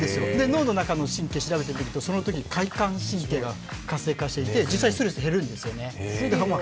脳の中の神経調べてみると、そのとき快感神経が活性化していて実際ストレスが減るんですよね。